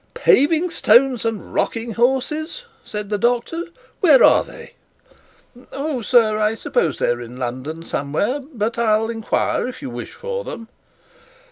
'Paving stones and rocking horses!' said the doctor, 'where are they?' 'Oh, sir, I suppose they are in London somewhere but I'll inquire if you wish for them.'